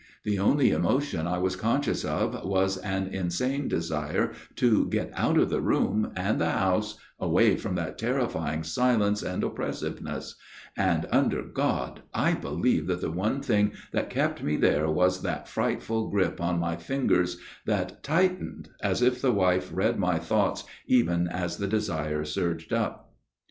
The only emotion I was conscious of was an insane desire to get out of the room and the house, awayl from that terrifying silence and oppressiveness || and, under God, I believe that the one thing that kept me there was that frightful grip on my fingers, that tightened, as if the wife read my thoughts, even as the desire surged up.